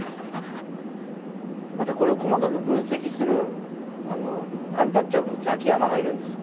またこれを細かく分析するアンタッチャブルのザキヤマがいるんですよ。